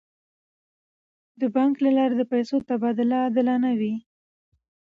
د بانک له لارې د پیسو تبادله عادلانه وي.